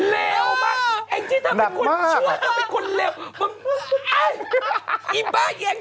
เลวมากแองจิทำเป็นคนเชื่อทำเป็นคนเลวแบบปุ๊ปปุ๊ปปุ๊ป